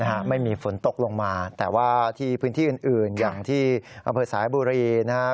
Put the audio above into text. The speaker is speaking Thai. ฮะไม่มีฝนตกลงมาแต่ว่าที่พื้นที่อื่นอื่นอย่างที่อำเภอสายบุรีนะฮะ